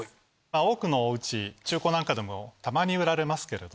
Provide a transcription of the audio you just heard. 多くのお家中古なんかでたまに売られますけど。